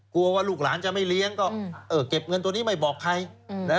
กลัวว่าลูกหลานจะไม่เลี้ยงก็เก็บเงินตัวนี้ไม่บอกใครนะ